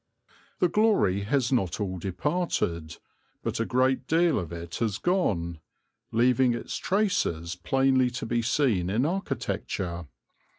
The glory has not all departed, but a great deal of it has gone, leaving its traces plainly to be seen in architecture.